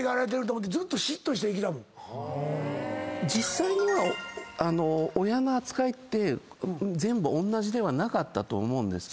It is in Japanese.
実際には親の扱いって全部おんなじではなかったと思うんですけど。